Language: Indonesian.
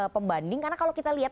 pembanding karena kalau kita lihat